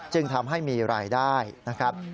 จึงทำให้มีรายได้นะครับ